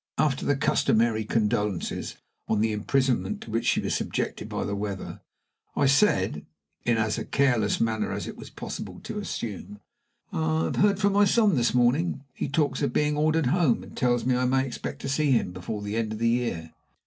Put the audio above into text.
After the customary condolences on the imprisonment to which she was subjected by the weather, I said, in as careless a manner as it was possible to assume: "I have heard from my son this morning. He talks of being ordered home, and tells me I may expect to see him before the end of the year."